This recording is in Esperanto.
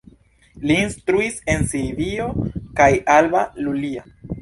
Li instruis en Sibio kaj Alba Iulia.